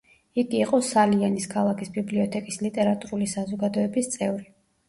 იგი იყო სალიანის ქალაქის ბიბლიოთეკის ლიტერატურული საზოგადოების წევრი.